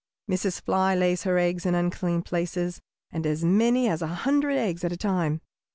Mrs. Fly lays her eggs in unclean places, and as many as a hundred eggs at a time.